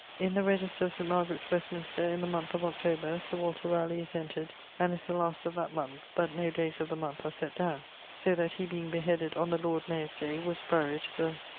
In the register of St. Margaret's, Westminster, in the moneth of October, Sir Walter Raleigh is entred, and is the last of that moneth, but no dayes of the moneth are sett downe, so that he being beheaded on the Lord Mayer's day, was buryed the....